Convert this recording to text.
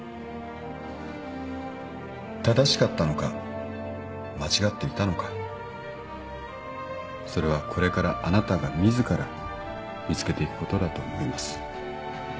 正しかったのか間違っていたのかそれはこれからあなたが自ら見つけていくことだと思います。